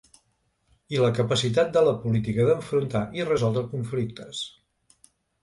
I la capacitat de la política d’enfrontar i resoldre conflictes.